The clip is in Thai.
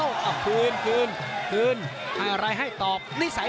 แล้วรับเยอะนะครับยังออกไม่ได้